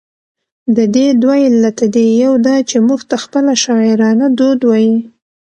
د دې دوه علته دي، يو دا چې، موږ ته خپله شاعرانه دود وايي،